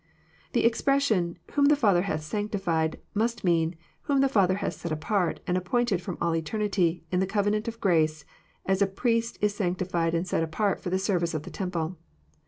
The expression, " whom the Father hath sanctified, must mean, " whom the Father hath set apart, and appointed from all eternity in the covenant of grace, as a priest is sanctified and set apart for the service of the temple."